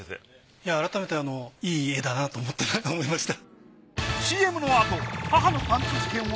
いや改めていい絵だなと思いました。